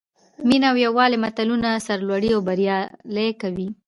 مینه او یووالی ملتونه سرلوړي او بریالي کوي.